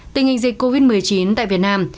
tình hình dịch covid một mươi chín tại việt nam